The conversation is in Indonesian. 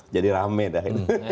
jadi rame dah